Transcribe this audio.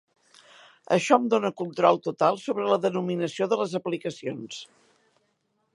Això em dona control total sobre la denominació de les aplicacions.